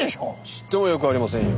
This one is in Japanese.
ちっとも良くありませんよ。